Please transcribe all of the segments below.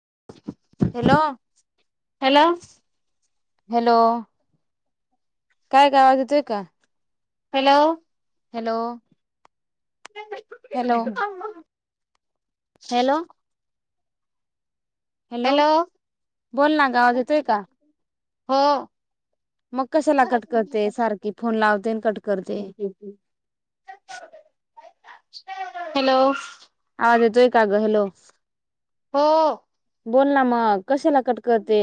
[inaudible] Hello hello hello काय गावाज येतय का हॅलो हॅलो हॅलो ह हॅलो हॅलो बोल ना गावाात येतोय का हा मग कशाला कट करते सारखी फोन लावते. कट करते [inaudible] हॅलो आवाज येतोय का ग हॅलो हो बोल ना मग कशला कट करते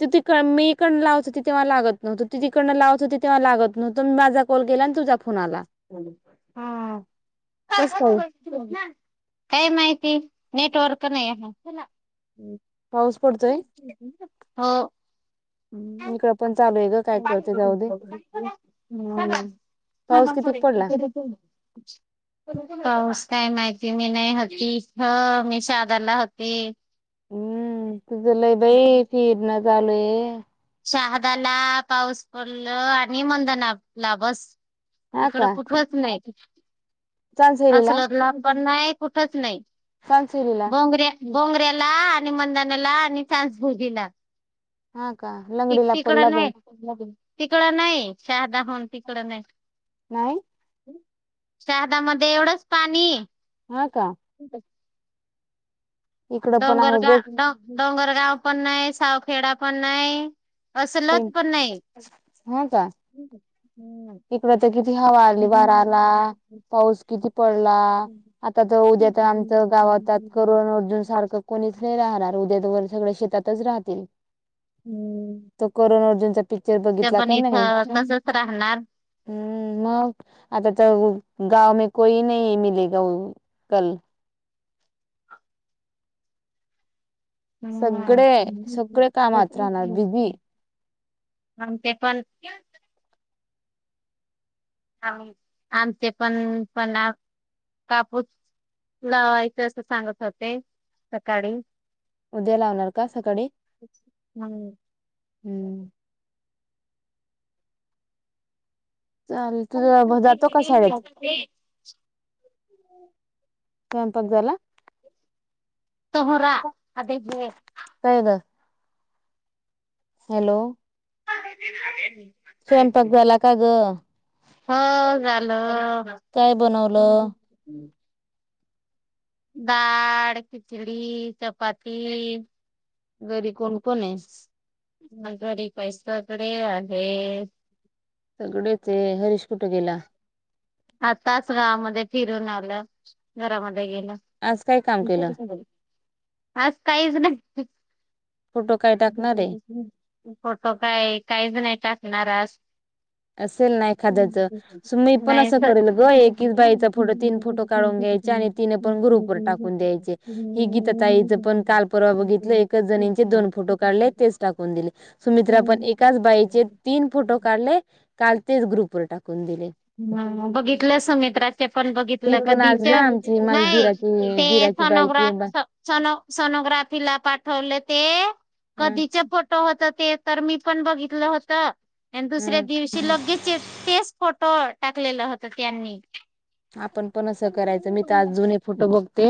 तू तिक मी इकडनं लावत होती तेव्हा लागत नव्हता तू तिकडं लावत होती तेव्हा लागत नव्हत माझा कॉल गेला आणि तुझा कॉल हा. कस [inaudible] काय काय माहिती नेटवर्क नाय आहे [inaudible] पडतोय हो हम इकड पण चालू आहे ग [inaudible] काय करते जाऊ दे पाऊस किती पडला पाऊस काय माहिती मी नाय हाकी ह मी सादा लावती हम तुझ लय बाई फिरण चालूय सहा दाहला पाऊस पडल आणि मंधन आपला बस हा इकड का कुठच नाही चाल असल लांब पण नाही कुठच नाही सांसोलिला बोंगड्याला आणि मदानेला आणि सांसभावजीला हा का ती लंगडीला पडला तिकडं नाही भाऊ तिकडं नाही साधा फोन तिकडं नाही नाही साधा मधे एवढंच पाणी हा का इकडं पण आहे डोंगरगा बघ डोंगर गाव पण नाही सावखेडा पण नाही तीन असंलत पण नाही इकड तर किती हवा आली वारा आला पाऊस किती पडला आता तर उद्या तर आमच गावात करण अर्जून सारखं कोणीच नाही राहणार उद्या तर वर सगळे शेतातच राहतील त्या करण अर्जुन पिक्चर ते बघितला पण का नाही. इथं तसच राहणार हम मग आता तर गाव मे कोई नही मिलेगा कल. हम्म सगळे सगळे कामात राहणार बीजी मग ते पण आम्ही आमचे पण पण कापूस लावायचं असं सांगत होते सकाळी. उद्या लावणार का सकाळी हम्म हम्म. [inaudible] [inaudible] चाल तुझ जातो का शाळेत स्वयंपाक झाला तोहरा हाते घे. काय ग हॅलो. [inaudible] स्वयंपाक झाला का ग. हो झालं. काय बनवलं डाळ, खिचडी, चपाती घरी कोण कोण आहे. म घरी बाई सगळे आहेत. सगळेच हे हरीश कुठ गेला. आताच गावामध्ये फिरून आलं घरामध्ये आज काय काम केलं आज काहीच नाही. फोटो काय टाकणार आहे फोटो काही काहीच नाही टाकणार आज. असेल नाही एखाद्याचं मी पण असं ग एकच बाईचा फोटो तीन फोटो काढून घ्यायचे नाही आणि तीन पण ग्रुप वर टाकून द्यायचे. गीता ताई च पण काल परवा बघितच जणीचे दोन फोटो काढले तेच टाून दिले सुमित्रा ण एकाच बाईचे तीन फोटो काढले काल तेच ग्रुप व टाकले ह बघितलं सुमित्राचे पण मी बघितलं पण आज कधीच ना आमची माझी नाही दिराची ते दिराची बायकी आहे बा सनोग्राफ सनो सोनोग्राफि ला पाठवले ते हम्म कधीच फोटो होत ते तर मी पण बघितलं होतं आणि दुसऱ्या हम्म दिवशी लगेच तेच फोटो टाकलेलं होत त्यांनी. आपण पण असं करायचं मी तर आज जुन फोटो बघते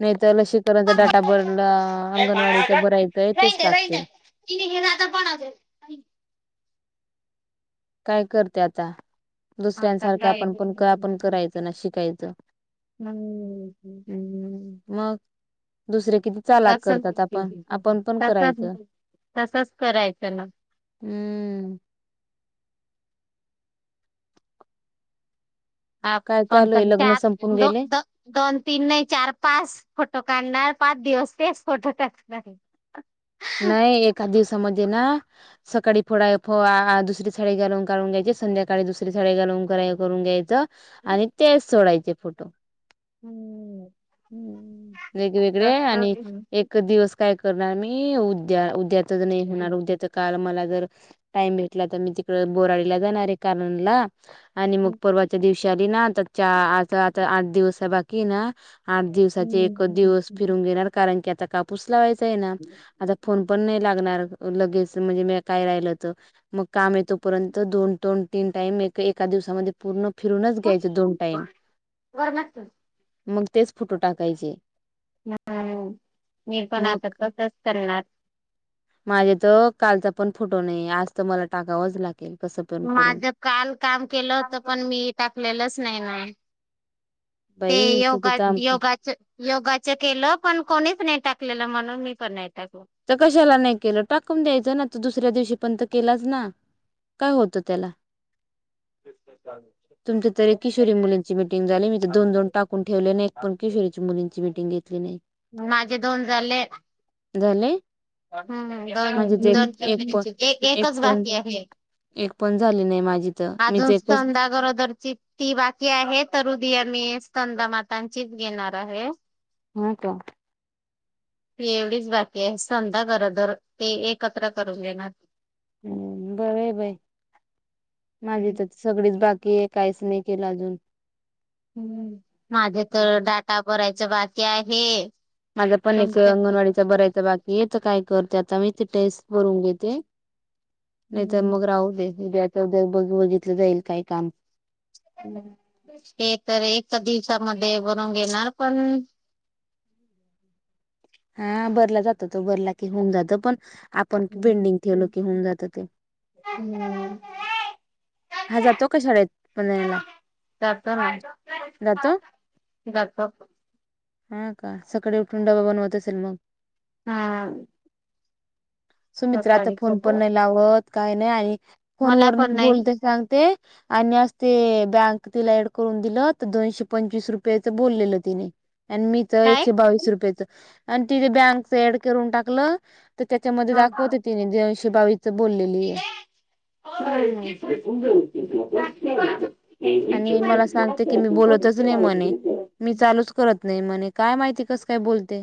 नाही लशीकरणचा डाटा बर अंगणवाडीचा बर यथंय तेच टाकते [unintelligible] काय करते आता दुसऱ्यांसारखं आपण पण हम्म आपण करायचं ना शिकायचं हम्म. हम्म मग दुसरे किती चालाक तसच करतात आपण आपण पण तसच करायचं. तसच करायचं ना हम्म. अ काय कोण चालू आहे लग्न संपून गेले च दोन तीन नाही चार पाच फोटो काढणार पाच दिवस तेच फोटो टाकणार. नाही एखादीवस समजे ना सकाळी फोडा फ दुसरी साडी घालून काढून घ्यायचे संध्याकाळी दुसरी साडी घालून करून घ्यायच आणि तेच सोडायचे फोटो वेगवेगळे आणि एक दिवस काय करणार मी उद्या उद्यातच नाही होणार उद्याच काल मला टाईम भेटला तर मी तिकडे बोराडीला जाणार आहे कारण ना आणि मग परवाच्या दिवशी हुशारी ना आ आता आता आठ दिवसा बाकी ना आठ दिवसाचे एकच दिवस फिरून घेणार कारण की आता कापूस लावायचा आहे ना आता फोन पण नाही लगनार का लगेच म्हणजे आत्ता काय तर राहील ते मग काम आहे तर दोन तीन टाईम एका दिवसामध्ये पूर्ण फिरूनच घ्यायचे दोन टाईम वर लागतो. मग तेच फोटो टाकायचे हम्म मीरपण आता मग तसच करणार माझे तर कालचा पण फुटो नाही आज तर मला टाकावंच लागत माझ काल काम केलं होत पण मी टाकलेलंच नाही ना ते बाई तुझं योगा काम योगाच योगाच केलं पण कोणीच नाही टाकलेलं म्हणून मी पण नाही टाकलं. तर कशाला नाही केलं टाकून द्यायचं नाुसर दुसऱ्या दिवशी पणंत केलाच ना काय होत त्याला ते चालू तुमच्या तरी किशोरी मुलींची मिीटिंग झाली मी तर दोन दोन टाकून ठेवले आणि एक पण किशोरीची मुलींची म मिटिंग घेतली नाही माझे दोन झाले झाले ह दोन माझी ते दोन एक पण एक एकच बाकी आहे एक पण झाली नाही माझी तर मी अजून तर एकच संधा गरोदरची ती बाकी आहे तरुदया मी संदा मातांचीच घेणार आहे हा का एवढीच बाकी आहे संध्या खरं तरर ते एकत्र करून देणार ह बर बय माझी तर सगळीच बाक की काहीच नाही केलं अजून हम्म माझे तर डाटा भरायचं बाकी आहे माझ्या पण एक तुमचे अंगणवाडीच भरायचं बाकी याच काय करते आता मी ते टेस्ट करून घेते नाहीतर मग राहू दे च बघ बघितलं जाईल काही काम ते तर एक तर दिवसामध्ये बनवून घेणार पण हा बरला जातो तो बरला की होऊन जात पण आपण बेंडिंग ठेवलं की होऊन जात ते हम्म हा जातो क शाळेत पधण्याला जातो ना जातो [inaudible] हा का सकाळी उठून डबा बनवत असेल मग हम सुमित्र आता फोन पण नाही लावत काय नाही आणि फोन मला पण वरून नाही बोलते सांगते आणि अस ते बँक तिला ऍड करून दिलं तर दोनशे पंचवीस रुपयाच बोललेलं तिने आणि मीच काय? एकशे बावीस रुपयाेच आणि तिथे बँकच ऍड करून टाकलं तर त्याच्यामध्ये दाखवत तिने दीनशे बावीस बोललेली आहे तु आणि मला सांगते की मी बोलतच नाही म्हणे मी चालूच करत नाही म्हणे काय माहिती कस काय बोलते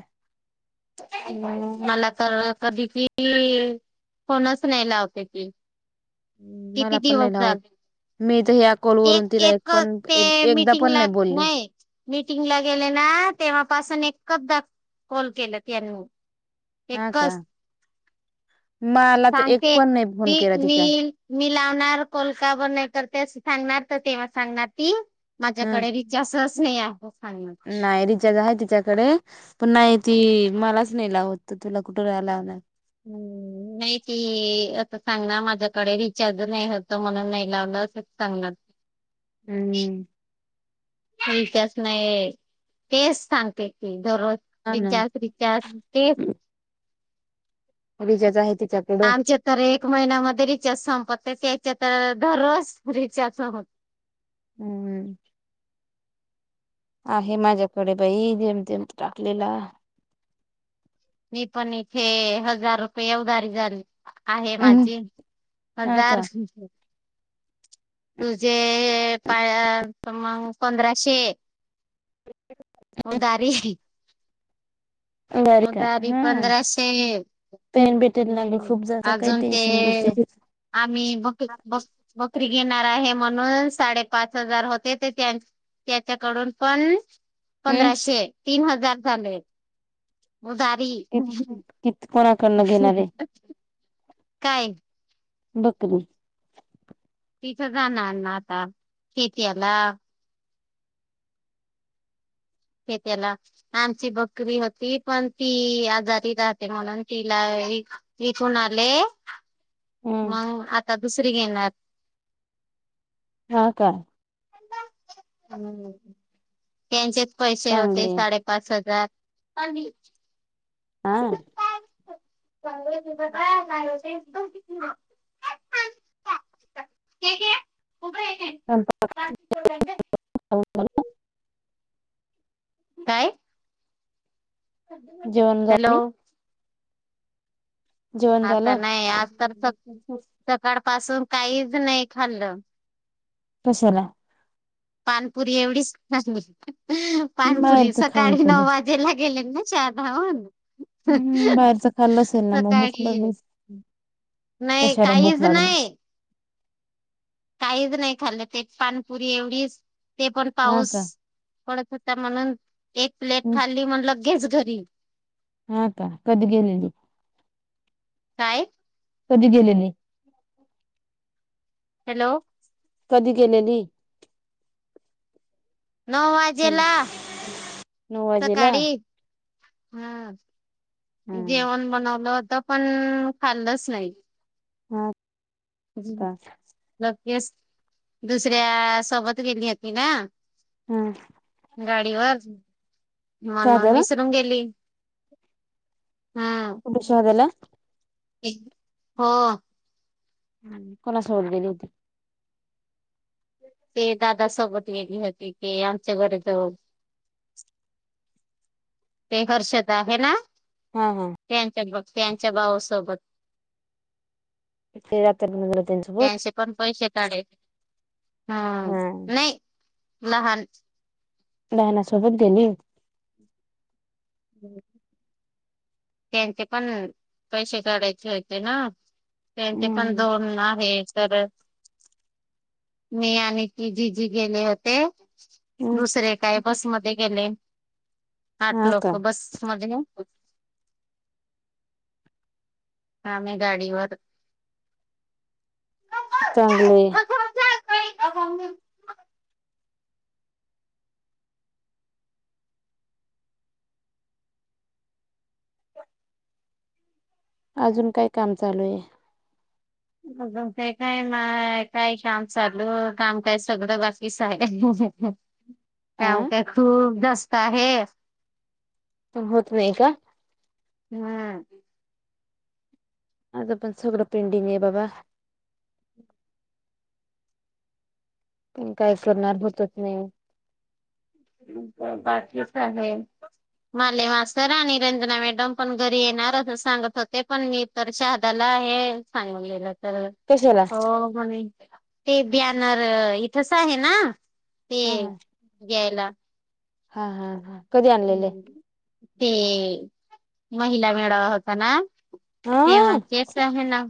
अम् मला तर कधी कि फणच न लावते की किती मला पण दिवस नाही लावत झाले मी तर ह्या एक कॉलवरून तिला एक पण ते एकदा मीटिंग पण ला बोलली नाही मीटिंग ला गेले ना तेव्हापासून एकचदा कॉल केलं त्यांनी एक हा का कस मला तर एक सांगते पण नाही मी फोन केला तिचा मी मी लावणार कोलका बन नाही करते सांगणार तर तेव्हा सांगणार ती ह माझ्याकडे रज सह असने आहे सांगणार. नाही रिजचा आहे तिथ त्याच्याकडे पण नाही त मलाच नेलावत तुला कुठे रा लावणार. हम्म. नाही त आता सांगणार माझ्याकडे रिचार्ज नाही होत म्हणून नाही लावलं असंच सांगणार. हम्म. कच नाही तेच सांगते की. दररोज हा ना रिचार्ज रिचार्ज ते. जच आहे. तिच्याकडं आमच्या तर एक महिन्यामध्ये रिचार्ज संपत ते. दररोज फ्रीज होत हम्म आहे माझ्याकडे बाई जेम तेम टाकलेला मी पण इथे हजार रुपये उधारी झाली. आहे माझी हा पगार. का तुझे पा मग पंधराशे. उ दारी. बर का उदाारी हा पंधराशे. पेन भेटेल ना ग हम्म खूप जास्त काही अजून ते. टेन्शन घेते आम्ही बकरी ब बकरी गे. म्हणून साडे पाच हजार होते त्याच्याकडून पण. हम् पंधराशे तीन हजार झाले उजारी. किती कोणाकडनं घेणारे. काय? बकरी. तिथं जाणार ना आता शेती याला. त्याला आमची बकरी होती पण ती आजारी राहते म्हणून तिला. तिथून आले. हम्म मग आता दुसरी घेणार. हा काय. ह् त्यांचेच पैसे होते चांगली साडेपाच हजार. अ. हा काती. [unintelligible] [inaudible] काय? जीवन हॅलो जाती. आता झालं? नाही आज तर स सकाळ पाासून काहीच नाही खाल्लं. कशाला. पानपुरी एवढीचलीली पानपुरी बाहेरच खाऊन सकाळी कधी नऊ वाजेला गेले. चहा खाऊन. हम् बाहेरच खाल्लं असेल ना मग भूक सकाळी लागली. नाही कशाला काहीच भूक लागण. नाही काहीच नाही खाल्लं ते पानपुरी एवढीच ते पण हा पाऊस. का पडत होता म्हणून एक प्लेट खाल्ली म्हणलं गेस घरी. हा का कदी गेलेली. काय? कधी गेलेले. हॅलो! कधी गेलेली. नऊ वाजेला नऊ वाजेला सकाळी हा. हा जेवण बनवलं होत पण खाल्लच नाही. हा. का लगेच दुसऱ्या सोबत गेली होती ना. हम्म. गाडीवर म्हणून शहाद्याला विसरून गेली. हा कुठ शाहदाला. हो. ह कोणा सोबत गेली होती. ते दादा सोबत गेली होती की आमच्या घर च ते हर्षद आहे ना हा हा त्यांच्यात बघ. त्यांच्या भाऊसोबत. रतर [unintelligible] त्यांसोबत. हम्म हा नाही लहान. नयनासोबत गेली. [inaudible] त्यांचे पण पैसे काढायचे होते ना. त्यांचे पण हम्म दोन आहेत. तर मी आण की जीजी गेले होते. दुसरे काय बसमध्ये गेले. आठ हा का लोक बस मध्ये आम्ही गाडीवर. चांगलय. काय ग. अजून काय काम चालूये. अ ते काय म काय काम चालू काम काय सगड बाकीच आहे. हं हं काम आ काय खूप जास्त आहे. होत नाहीय का? हम्म. माझं पण सगड पेंडिंगे बाबा. पण काय करणार होतच नाही. बाकीच आहे. माले मास्तर आणि रंजना मॅडम पण घरी येणार, अस सांगत होते पण मी तर शहादाला आहे सांगून दिल. तर कशाला हो म्हणे ते बॅनर इथच आहे ना. हा ते हा घ्यायला. हा हा हा कधी आणलेले. ते महिला मेळावा होता ना. हा तेव्हा तेच आहे ना.